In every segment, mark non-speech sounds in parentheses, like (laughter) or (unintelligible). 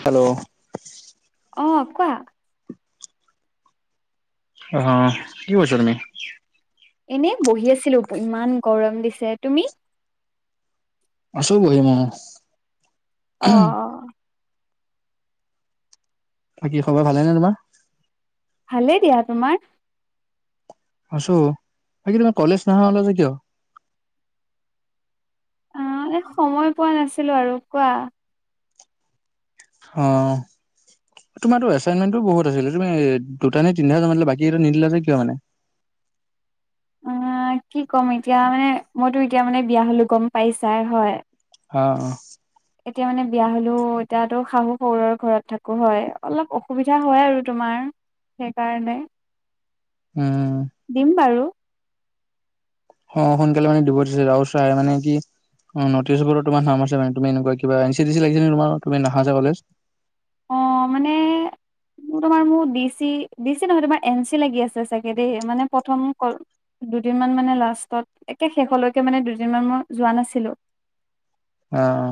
Hello. অঁ, কোৱা। অঁ কি কৈছা তুমি? এনেই বহি আছিলো ইমান গৰম দিছে, তুমি? আছো বহি মই। অ। বাকী খবৰ ভালেনে তোমাৰ? ভালে দিয়া, তোমাৰ? আছো, বাকী তোমাৰ কলেজ নহা হলা যে কিয়? অঁ এ সময় পোৱা নাছিলো আৰু, কোৱা। অঁ। তোমাৰো এচাইনমেণ্টটো বহুত আছিলে, তুমি দুটা নে তিনি হাজাৰ মানে বাকী এটা নিদিলে যে কিয় মানে? এ কি ক'ম এতিয়া মানে মইতো এতিয়া মানে বিয়া হলো গম পাইছাই হয়। অঁ এতিয়া মানে বিয়া হলো এতিয়াতো শাহু শহুৰৰ ঘৰত থাকো হয় অলপ অসুবিধা হয় আৰু তোমাৰ। সেইকাৰণে। উম। দিম বাৰু। অঁ সোনকালে মানে দিব দিছে ৰাও চাই মানে কি (inaudible) অঁ মানে তোমাৰ মো বি চি ডি চি নহয় তোমাৰ এন চি লাগি আছে চাগে দেই মানে প্ৰথম ক দুদিনমান মানে লাষ্টত একে শেষলৈকে মানে দুদিনমান মই যোৱা নাছিলোঁ। অঁ।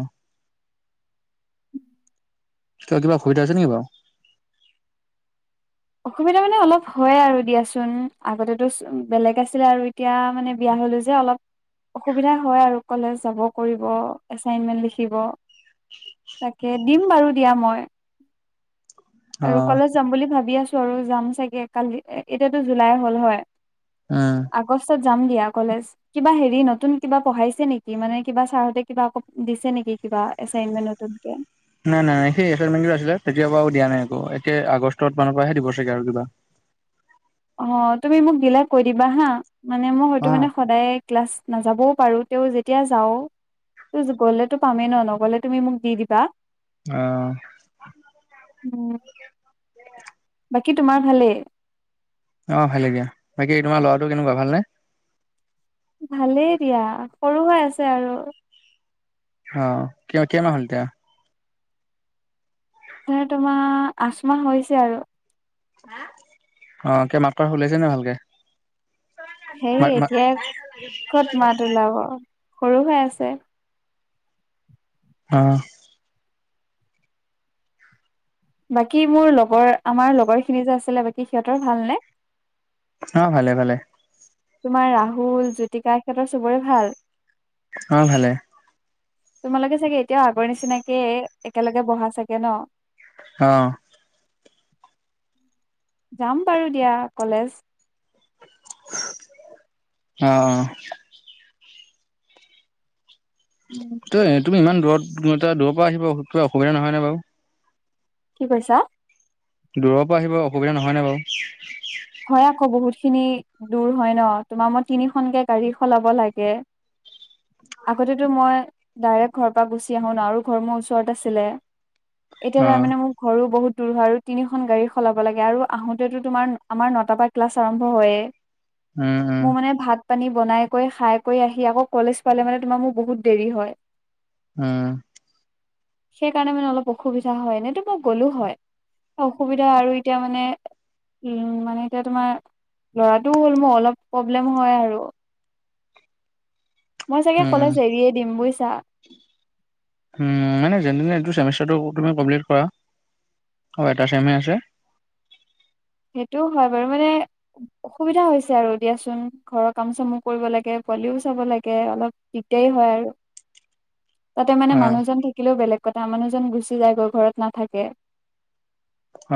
কিবা অসুবিধা হৈছে নেকি বাৰু? অসুবিধা মানে অলপ হয় আৰু দিয়াচোন, আগতেতো বেলেগ আছিলে আৰু এ তিয়া মানে বিয়া হলো যে অলপ অসুবিধা হয় আৰু কলেজ যাব কৰিব এচাইনমেণ্ট লিখিব। তাকে দিম বাৰু দিয়া মই। অ আৰু কলেজ যাম বুলি ভাবি আছো আৰু, যাম চাগে কালি এ এতিয়াতো জুলাই হ'ল হয়। উম। আগষ্টত যাম দিয়া কলেজ। কিবা হেৰি নতুন কিবা পঢ়াইছে নেকি মানে কিবা ছাৰহঁতে কিবা আকৌ দিছে নেকি? কিবা এচাইনমেণ্ট নতুনকে, নাই নাই সেই এচাইনমেণ্টটো আছিলে তেতিয়া পৰা আৰু দিয়া নাই একো। এতিয়া আগষ্টত মানৰ পৰাহে দিব চাগে আৰু কিবা। অ তুমি মোক দিলে কৈ দিবা হা, মানে মই হয়টো অ মানে সদায় ক্লাছ নাযাবও পাৰো, তেউ যেতিয়া যাও গ'লে তো পামেই ন নগলে তুমি মোক দি দিবা। অ। উম। বাকী তোমাৰ ভালেই? অঁ ভালেই দিয়া, বাকী তোমাৰ ল'ৰাটো কেনেকুৱা ভালনে? ভালেই দিয়া, সৰু হৈ আছে আৰু। অ কে কেইমাহ হ'ল এতিয়া? ধৰ, তোমাৰ আঠমাহ হৈছে আৰু। অ, কি মাতষাৰ উলাইছে নাই ভালকে? সেই মা মা এতিয়া ক'ত মাত ওলাব সৰু হৈ আছে। অঁ। বাকী মোৰ লগৰ আমাৰ লগৰ খিনি যে আছিলে বাকী সিহঁতৰ ভালনে? অঁ, ভালে ভালে। তোমাৰ ৰাহুল, জ্যোতিকা সিহঁতৰ চবৰে ভাল? অঁ, ভালেই। তোমালোকে চাগে এতিয়াও আগৰ নিচিনাকে একেলগে বহা চাগে ন? অঁ। যাম বাৰু দিয়া কলেজ। অ অ। উম। তুমি, তুমি ইমান দূৰত কিলোমিটাৰ দূৰ পৰা আহিব কিবা অসুবিধা নহয়নে বাৰু? কি কৈছা? দূৰৰ পৰা আহিব অসুবিধা নহয়নে বাৰু? হয় আক বহুত খিনি দূৰ হয় ন, তোমাৰ মই তিনিখনকে গাড়ী সলাব লাগে। আগতেতো মই ডাইৰেক্ট ঘৰ পৰা গুচি আহো ন, আৰু ঘৰ মোৰ ওচৰত আছিলে। এতিয়া অ তাৰমানে মোক ঘৰো বহুত দূৰ হয়, আৰু তিনিখন গাড়ী সলাব লাগে আৰু আহোতেতো তোমাৰ আমাৰ নটা পৰা ক্লাছ আৰম্ভ হয়ে, উম উম মোৰ মানে ভাত পানী বনাই কৈ, খাই কৈ আহি আকৌ কলেজ পালে মানে তোমাৰ মোৰ বহুত দেৰি হয়। উম। সেইকাৰণে মানে অলপ অসুবিধা হয়, এনেইতো মই গ'লো হয়। অসুবিধা আৰু এতিয়া মানে উম, মানে এতিয়া তোমাৰ ল'ৰাটোও হ'ল মোৰ অলপ প্ৰব্লেম হয় আৰু। মই চাগে উম কলেজ এৰিয়ে দিম বুইছা। উম, মানে যেনে তেনে এইটো চেমিষ্টাৰটো তুমি কমপ্লিট কৰা। আৰু এটা ছেম হে আছে। সেইটোও হয় বাৰু মানে অসুবিধা হৈছে আৰু দিয়াচোন ঘৰৰ কাম চামু কৰিব লাগে পোৱালিও চাব লাগে, অলপ দিকদাৰি হয় আৰু। (unintelligible) তাতে মানে অ মানুহজন থাকিলেও বেলেগ কথা মানুহজন গুচি যায়গৈ ঘৰত নাথাকে।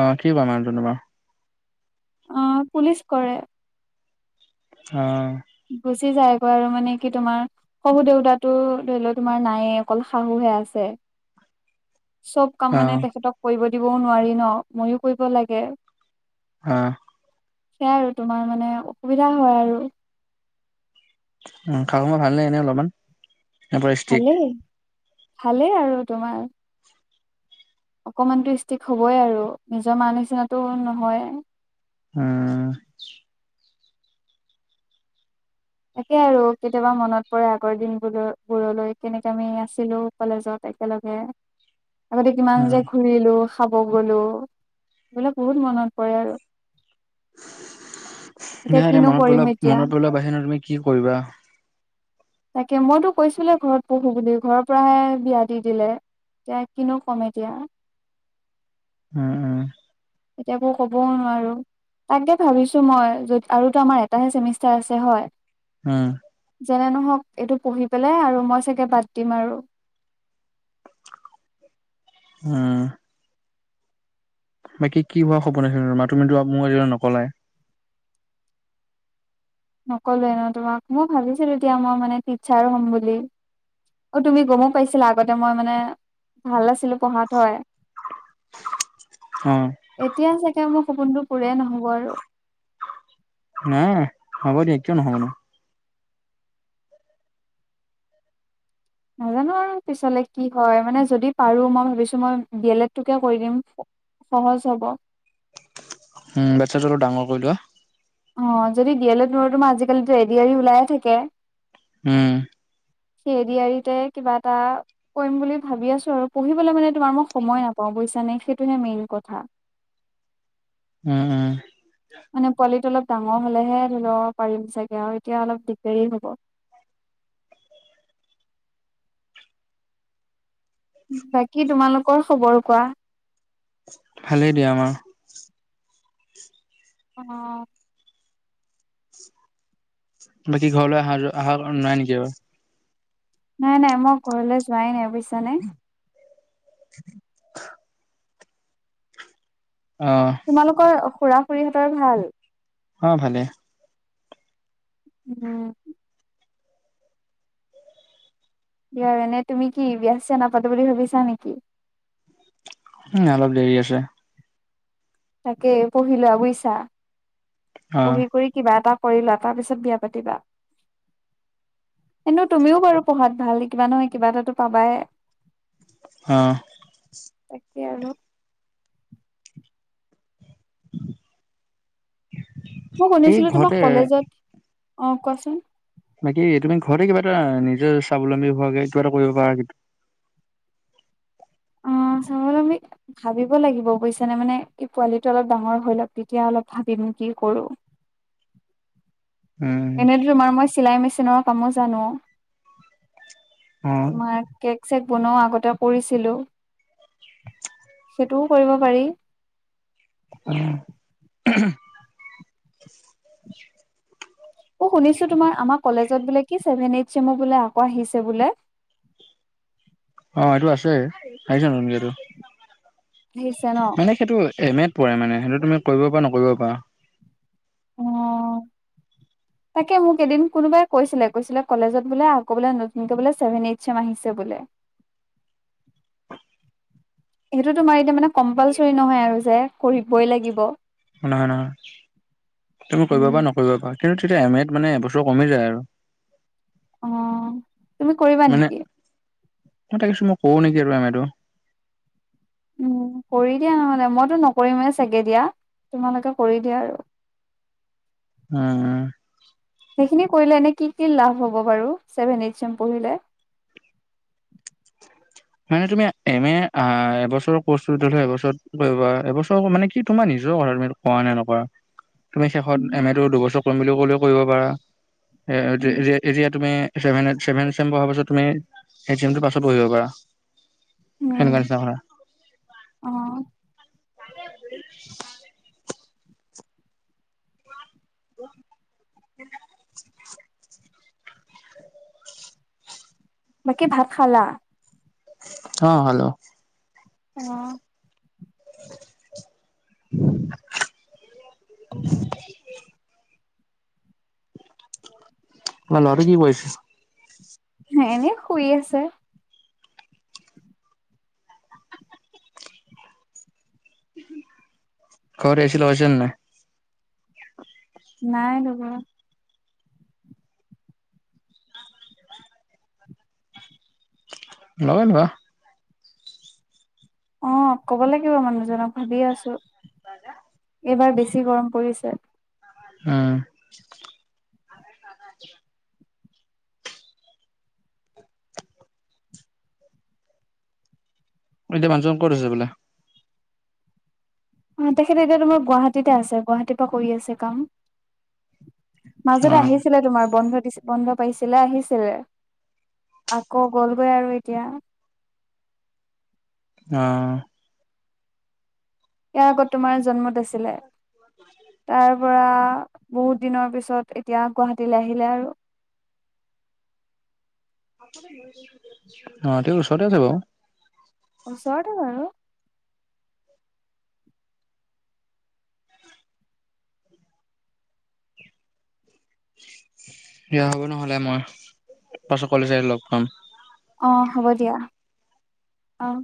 অঁ, কি কৰে মানুহজন তোমাৰ? অঁ, পুলিচ কৰে। অঁ' গুচি যায়গৈ আৰু মানে কি তোমাৰ- শহু দেউতাটো ধৰি লও তোমাৰ নায়ে, অকল শাহুহে আছে। চব কাম অ মানে তেখেতক কৰিব দিবও নোৱাৰি ন, ময়ো কৰিব লাগে। অঁ' সেয়া আৰু তোমাৰ মানে অসুবিধা হয় আৰু। উম, শাহু মা ভাল নে এনে অলমান। ভালেই, ভালেই আৰু তোমাৰ। অকমান টো ষ্টিক হবই আৰু নিজৰ মাৰ নিচিনাটো নহয়। উম'। তাকে আৰু কেতিয়াবা মনত পৰে আগৰ দিন বোলৈ বোৰলৈ কেনেকে আমি আছিলো। কলেজত একেলগে। (inaudible) আগতে কিমান উম যে ঘূৰিলো খাব গলো, এইবিলাক বহুত মনত পৰে আৰু। ন এতিয়া এয়া কিনো মনত কৰিম পৰিল এতিয়া মনত পৰিল বা এনেই তুমি কি কৰিবা? তাকে মইতো কৈছিলোৱে ঘৰত পঢ়ো বুলি, ঘৰৰ পৰাহে বিয়া দি দিলে। এতিয়া, কিনো কম এতিয়া? উম উম' এতিয়া একো কবও নোৱাৰো। তাকে ভাবিছো মই যত আৰু টো আমাৰ এটাহে চেমিষ্টাৰ আছে হয়। উম' যেনে নহওক এইটো পঢ়ি পেলাই আৰু মই চাগে বাদ দিম আৰু। উম' বাকী কি হোৱা সপোন আছিল তুমাৰ? তুমিতো মোক আজিলৈ নকলাই। নকললোৱে ন তোমাক, মই ভাবিছিলো দিয়া মই মানে টিচাৰ হ'ম বুলি। আও তুমি গমো পাইছিলা, আগতে মই মানে ভাল আছিলো পঢ়াত হয়। উম' এতিয়া চাগে মোৰ সপোনটো পুৰে নহব আৰু। নাই হ'ব দিয়া, কিয় নহব নো? নাজানো আৰু পিছলে কি হয়? মানে যদি পাৰোঁ মই ভাবিছোঁ মই দি এল এডটোকে কৰি দিম। সহজ হব। উম' বাতচ্ছাটো অলপ ডাঙৰ কৰি লোৱা। অঁ যদি দি এল এড নোৱাৰো তোমাৰ আজিকালিতো এড আৰ ই ওলায়ে থাকে। উম' C A D R E তে কিবা এটা- কৰিম বুলি ভাবি আছো আৰু, পঢ়িবলে মানে তোমাৰ মই সময়ে নাপাওঁ বুইছা নে সেইটোহে মেইন কথা। উম' উম' মানে পোৱালিটো অলপ ডাঙৰ হলেহে ধৰি ল পাৰিম চাগে আও, এতিয়া অলপ দিগদাৰি হ'ব। বাকী তোমালোকৰ খবৰ কোৱা? ভালেই দিয়া আমাৰ। অঁ' বাকী ঘৰলৈ অহা যোৱা অহা নাই নেকি আৰু? নাই, নাই মই ঘৰলৈ যোৱাই নাই বুছা নে? (unintelligible) অ, তোমালোকৰ খুৰা-খুৰীহঁতৰ ভাল? অ, ভালে। উম, কি এনে তুমি কি বিয়া, চিয়া নাপাতো বুলি ভাবিছা নেকি? উম, অলপ দেৰি আছে। তাকে পঢ়ি লোৱা বুজিছা, অ পঢ়ি কৰি কিবা এটা কৰি লোৱা, তাৰ পিছত বিয়া পাতিবা। কিন্তু তুমিও বাৰু পঢ়াত ভাল, কিবা নহয় কিবা এটাটো পাবাই। অ, তাকে আৰু। (inaudible) মই এই শুনিছিলো তোমাৰ ঘৰতে কলেজত অ, কোৱাচোন? বাকী তুমি ঘৰতে কিবা এটা নিজে স্বাৱলম্বী হোৱাকে কিবা এটা কৰিব পাৰা কিন্তু। অ, স্বাৱলম্বী ভাবিব লাগিব বুজিছা নে, মানে এই পোৱালিটো অলপ ডাঙৰ হৈ লওকঁ তেতিয়া অলপ ভাবিম কি কৰো। উম, এনেতো তোমাৰ মই চিলাই মেচিনৰ কামো জানো, অ তোমাৰ কেক, চেক বনাও আগতে কৰিছিলো, সেইটোও কৰিব পাৰি। উম, অ, শুনিছো তোমাৰ, আমাৰ কলেজত বোলে, কি চছেভেন, এইচ, ছেমৰ বোলে আকৌ আহিছে বোলে। অ, এইটো আছে, আহিছে নতুনকে। আহিছে ন,? মানে সেইটো এম, এত, পৰে মানে, সেইটো তুমি কৰিব, পাৰা নকৰিব পাৰা। অ তাকে মোক এদিন কোনোবাই কৈছিলে, কৈছিলে কলেজত বোলে আকৌ‌ নতুনকৈ বোলে চছেভেন, এইট, চেম আহিছে বোলে। সেইটো তোমাৰ এতিয়া মানে কম্পালচৰি নহয় আৰু যে, কৰিবই লাগিব। নহয়, নহয় তুমি কৰিব উম পাৰা নকৰিব পাৰা। কিন্তু তেতিয়া এমেট মানে এবছৰ কমি যায় আৰু। অ, তুমি কৰিবা মানে নেকি? মই ভাবিছো, মই কৰো নেকি এইবাৰ এমেটো। উম, কৰি দিয়া নহালে। মইতো নকৰিমে চাগে দিয়া তোমালোকে কৰি দিয়া আৰু। উম, সেইখিনি কৰিলে এনে কি কি লাভ হ'ব বাৰু, ছেভেন, এইচ, এম পঢ়িলে। মানে তুমি এম এ, এবছৰৰ কোৰচটো এবছৰত কৰিব পাৰা, এবছৰ মানে কি তোমাৰ নিজৰ কথা, তুমি কৰা নে, নকৰা। তুমি শেষত উম এম, এটো দুবছৰ কৰিম বুলি ক'লেও কৰিব পাৰা। (inaudible) তুমি, ছেভেন, এইচ, এম পঢ়াৰ পাছত তুমি পাছত পঢ়িব পাৰা। সেনেকোৱা নিচিনা হয়। অ, (inaudible) বাকী ভাত খালা? অ, খালো। অ'। ন লৰাটো কি কৰি‌ আছে? এনেই শুই আছে। ঘৰত এই চি লগাইছিল নাই? নাই লগোৱা। লগা লগা। অ ক'ব লাগিব মানুহজনক, ভাবিয়ে আছো। পা। এইবাৰ বেছি গৰম পৰিছে। উম। আ। এতিয়া মানুহজন ক'ত আছে বোলে? অ' তেখেত এতিয়া তোমাৰ গুৱাহাটীতে আছে। গুৱাহাটীৰ পৰা কৰি আছে কাম। মাজতে অ', আহিছিলে তোমাৰ বন্ধ দিছিল। বন্ধ পাইছিলে আহিছিলে, আকৌ গ'লগৈ আৰু এতিয়া। অ'। ইয়াৰ আগত তোমাৰ জন্মত আছিলে। তাৰ পৰা বহুত দিনৰ পিছত এতিয়া গুৱাহাটীলৈ আহিলে আৰু। অ' তেওঁ ওচৰতে আছে বাৰু। ওচৰতে আৰু। দিয়া হ'ব নহ'লে মই পাছত পাছত কলেজ আহিলে লগ পাম। অ' হ'ব দিয়া। অ'